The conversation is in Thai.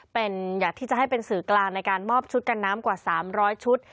เป็นอยากที่จะให้เป็นสื่อกลางในการมอบชุดกันน้ำกว่า๓๐๐ชุด